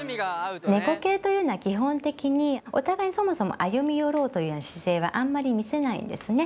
猫系というのは基本的にお互いにそもそも歩み寄ろうという姿勢はあんまり見せないんですね。